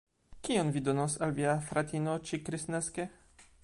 Kion vi donos al via fratino ĉi-kristnaske?